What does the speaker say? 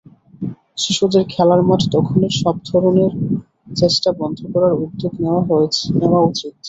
শিশুদের খেলার মাঠ দখলের সব ধরনের চেষ্টা বন্ধ করার উদ্যোগ নেওয়া উচিত।